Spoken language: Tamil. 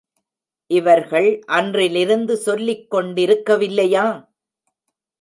இவர்கள் அன்றிருந்து சொல்லிக்கொண்டிருக்க வில்லையா?